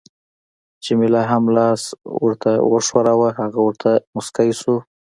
جميله هم لاس ورته وښوراوه، هغه ورته مسکی شو.